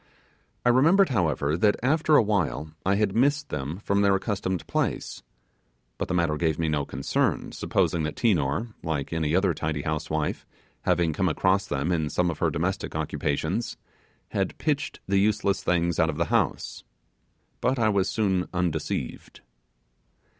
I remembered, however, that after awhile I had missed them from their accustomed place; but the matter gave me no concern, supposing that Tinor like any other tidy housewife, having come across them in some of her domestic occupations had pitched the useless things out of the house. But I was soon undeceived.